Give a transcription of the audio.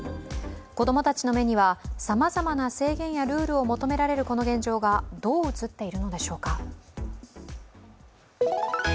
子供たちの目には、さまざまな制限やルールを求められるこの現状がどう映っているのでしょうか。